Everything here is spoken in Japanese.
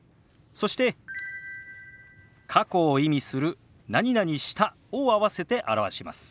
そして過去を意味する「した」を合わせて表します。